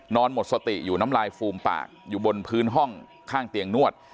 หมดสติอยู่น้ำลายฟูมปากอยู่บนพื้นห้องข้างเตียงนวด